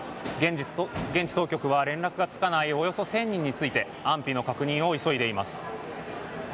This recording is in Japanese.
現地当局は、連絡がつかないおよそ１０００人について安否の確認を急いでいます。